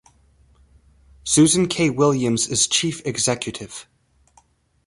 Susan Kay-Williams is Chief Executive.